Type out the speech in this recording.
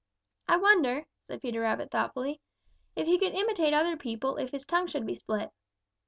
"I wonder," said Peter Rabbit thoughtfully, "if he could imitate other people if his tongue should be split."